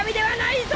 はい！